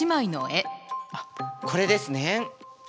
あっこれですね。